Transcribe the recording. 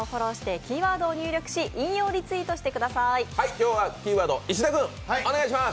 今日はキーワード石田君お願いします。